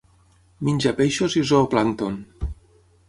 Menja peixos i zooplàncton.